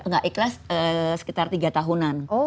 nggak ikhlas sekitar tiga tahunan